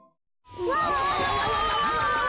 うわ！